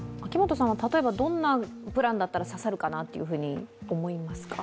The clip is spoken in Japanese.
例えばどんなプランだったらささるかなと思いますか？